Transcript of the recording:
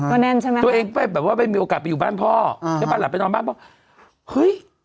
อือฮะตัวเองไปแบบว่าไม่มีโอกาสไปอยู่บ้านพ่อไปนอนบ้านพ่อเฮ้ย